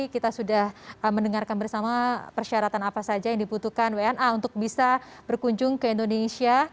kita sudah mendengarkan bersama persyaratan apa saja yang dibutuhkan wna untuk bisa berkunjung ke indonesia